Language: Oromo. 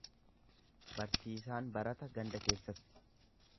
Barsiisaan barata ganda keessatti.